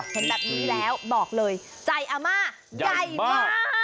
เห็นแบบนี้แล้วบอกเลยใจอาม่าใหญ่มาก